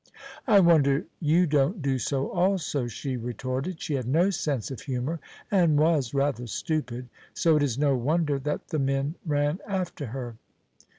"I wonder you don't do so also," she retorted. She had no sense of humour, and was rather stupid; so it is no wonder that the men ran after her.